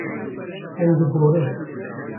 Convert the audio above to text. Em diborin.